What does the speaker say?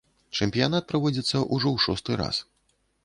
Чэмпіянат праводзіцца ўжо ў шосты раз.